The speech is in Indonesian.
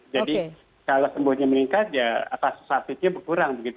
jadi kalau sembuhnya meningkat ya kasus aktifnya berkurang begitu